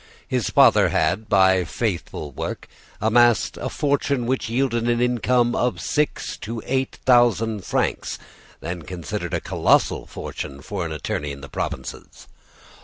"His father had, by faithful work, amassed a fortune which yielded an income of six to eight thousand francs, then considered a colossal fortune for an attorney in the provinces.